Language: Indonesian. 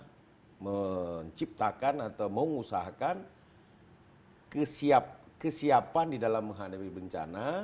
kita menciptakan atau mengusahakan kesiapan di dalam menghadapi bencana